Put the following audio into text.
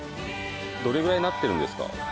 どれぐらいなってるんですか？